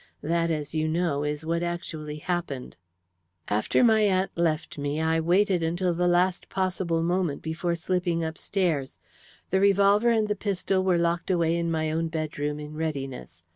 That, as you know, is what actually happened. "After my aunt left me I waited until the last possible moment before slipping upstairs. The revolver and the pistol were locked away in my own bedroom in readiness.